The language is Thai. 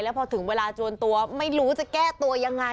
พอถึงเวลาจวนตัวไม่รู้จะแก้ตัวยังไง